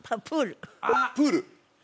プール！